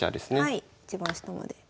はい一番下まで。